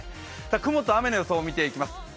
雲と雨の様子を見ていきます。